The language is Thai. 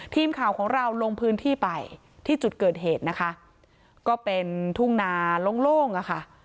ทีมข่าวของเราลงพื้นที่ไปที่จุดเกิดเหตุนะคะก็เป็นทุ่งนาโล่งอะค่ะ